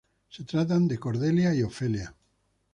Se tratan de Cordelia y Ofelia.